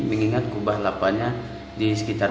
mengingat kubah lapanya di sekitar